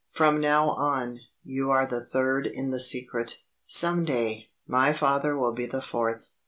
From now on, you are the third in the secret. Some day, my father will be the fourth.